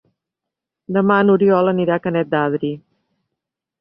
Demà n'Oriol anirà a Canet d'Adri.